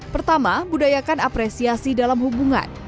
pertama budayakan apresiasi dalam hubungan